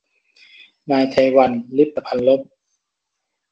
นายเทวัญ ลิปตพัลลภ